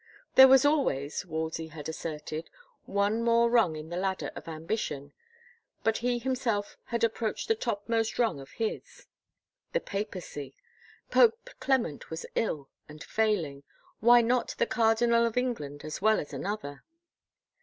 There was always, Wolsey had asserted, one more rung in the ladder of ambition but he himself had approached the topmost rung of his. The Papacy! Pope Qement was ill and failing ... why not the Cardinal of England as well as another?